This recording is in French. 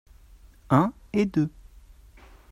un et deux.